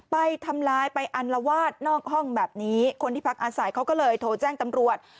ไปทำร้ายไปอัลวาดนอกห้องแบบนี้คนที่พักอาศัยเขาก็เลยโทรแจ้งตำรวจ